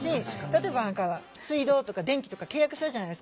例えば水道とか電気とか契約するじゃないですか。